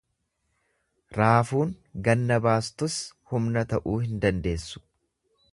Raafuun ganna baastus humna ta'uu hin dandeessu.